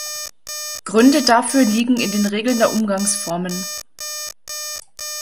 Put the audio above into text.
Gründe dafür liegen in den Regeln der Umgangsformen.